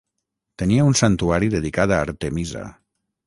Tenia un santuari dedicat a Artemisa.